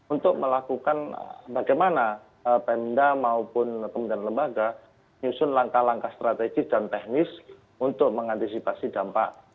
untuk melakukan bagaimana pemda maupun kementerian lembaga menyusun langkah langkah strategis dan teknis untuk mengantisipasi dampak